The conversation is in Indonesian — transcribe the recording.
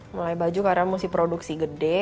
mulai baju karena mesti produksi gede